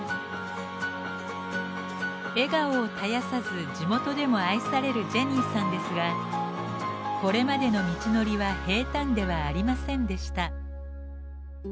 笑顔を絶やさず地元でも愛されるジェニーさんですがこれまでの道のりは平たんではありませんでした。